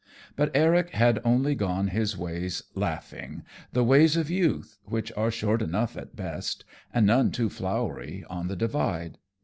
But Eric had only gone his ways laughing, the ways of youth, which are short enough at best, and none too flowery on the Divide.